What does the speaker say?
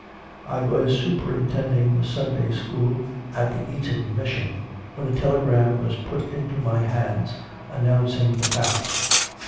I was superintending the Sunday school at the Eton Mission when a telegram was put into my hands announcing the fact.